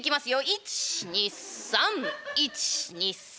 １２３１２３。